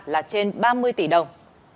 là trên ba mươi tỷ đồng